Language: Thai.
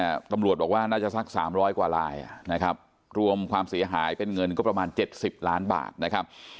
นี่กำลัวบอกว่าน่าจะสัก๓๐๐กว่าลายนะครับรวมความเสียหายเป็นเงินก็ประมาณ๗๐ล้านบาทนะครับ